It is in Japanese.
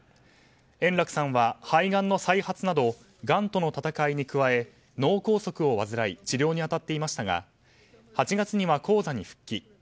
円楽さんは肺がんの再発などがんとの闘いに加え脳梗塞を患い治療に当たっていましたが８月には高座に復帰。